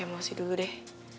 emosi dulu deh